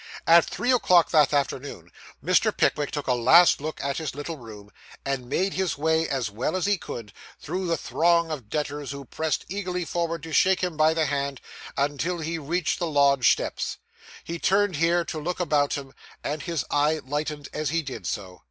At three o'clock that afternoon, Mr. Pickwick took a last look at his little room, and made his way, as well as he could, through the throng of debtors who pressed eagerly forward to shake him by the hand, until he reached the lodge steps. He turned here, to look about him, and his eye lightened as he did so.